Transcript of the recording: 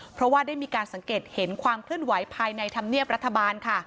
เพราะว่าได้มีการสังเกตเห็นความเคลื่อนไหวภายในธรรมเนียบรัฐบาลค่ะ